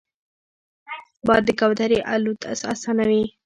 باد د کوترې الوت اسانوي